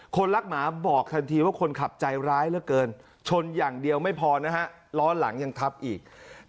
คนรักหมาบอกทันทีว่าคนขับใจร้ายเหลือเกินชนอย่างเดียวไม่พอนะฮะล้อหลังยังทับอีก